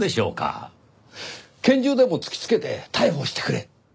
「拳銃でも突きつけて逮捕してくれ」